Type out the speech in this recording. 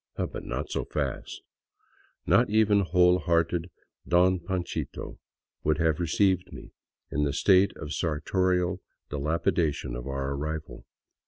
But not so fast ! Not even whole hearted " Don Panchito " would have received me in the state of sartorial delapidation of our arrival.